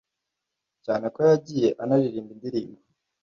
cyane ko yagiye anaririmba indirimbo